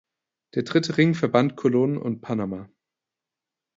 Der dritte Ring verband Colon und Panama.